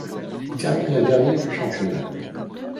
Il termina dernier du championnat.